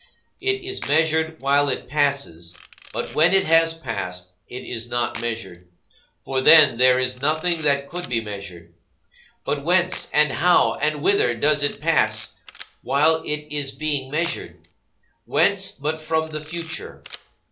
It is measured while it passes, but when it has passed it is not measured; for then there is nothing that could be measured. But whence, and how, and whither does it pass while it is being measured? Whence, but from the future?